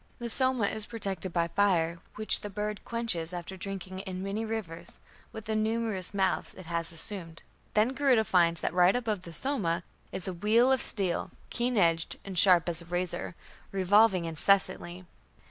The Soma is protected by fire, which the bird quenches after "drinking in many rivers" with the numerous mouths it has assumed. Then Garuda finds that right above the Soma is "a wheel of steel, keen edged, and sharp as a razor, revolving incessantly.